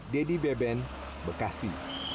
dedy beben bekasi